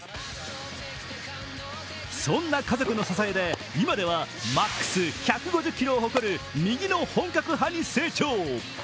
そんな家族の支えで今ではマックス１５０キロを誇る右の本格派に成長。